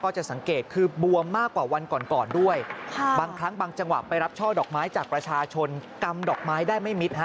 จังหวะไปรับช่อดอกไม้จากประชาชนกำดอกไม้ได้ไม่มิตร